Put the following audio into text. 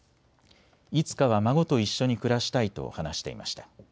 いつかは孫と一緒に暮らしたいと話していました。